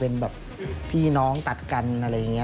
เป็นพี่น้องตัดกันนึง